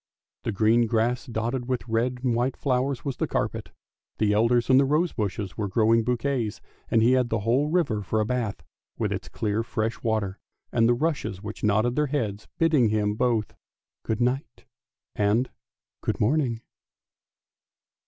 The green grass dotted with red and white flowers was the carpet, the elders and the rose bushes were growing bouquets, and he had the whole river for a bath, with its clear fresh water, and the rushes which nodded their heads bidding him both " Good night " and " Good morning."